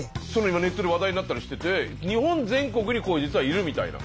今ネットで話題になったりしてて日本全国に実はいるみたいな。